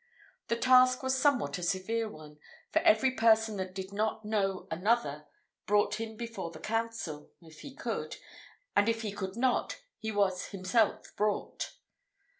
The task was somewhat a severe one; for every person that did not know another brought him before the council, if he could, and if he could not he was himself brought.